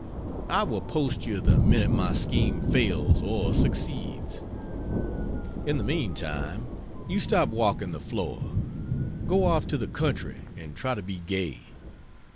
I will post you the minute my scheme fails or succeeds. In the meantime, you stop walking the floor. Go off to the country and try to be gay.